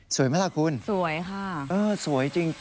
สวยไหมล่ะคุณสวยค่ะสวยจริงนะครับ